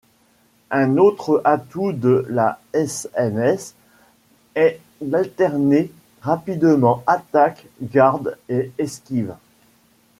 Un autre atout de la SnS est d'alterner rapidement Attaque, garde et Esquive.